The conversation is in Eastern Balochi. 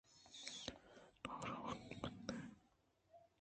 تو دروگ بند ئے